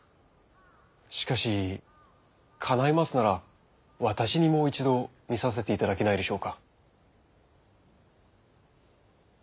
しかしかないますなら私にも一度診させて頂けないでしょうか。